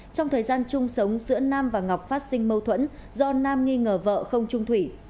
trong thời gian chung sống giữa nam và ngọc phát sinh mâu thuẫn do nam nghi ngờ vợ không trung thủy